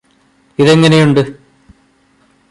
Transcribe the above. ഇതെങ്ങനെയുണ്ട്